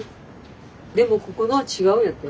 でもここのは違うんやて。